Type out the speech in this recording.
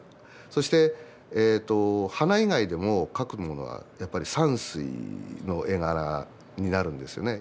そして花以外でも描くものはやっぱり山水の絵柄になるんですよね。